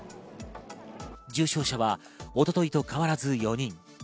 重症者は一昨日と変わらず４人。